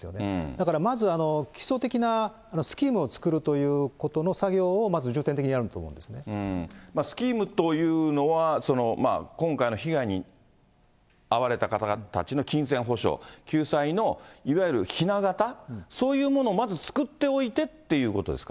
だからまず基礎的なスキームを作るということの作業をまず重点的スキームというのは、今回の被害に遭われた方たちの金銭補償、救済のいわゆるひな形、そういうものをまず作っておいてっていうことですか。